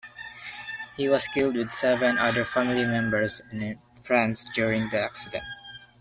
He was killed with seven other family members and friends during the accident.